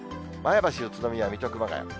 前橋、宇都宮、水戸、熊谷。